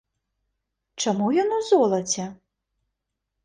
Чаму ён у золаце?